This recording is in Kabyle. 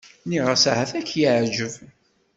Nniɣ-as ahat ad k-yeεǧeb.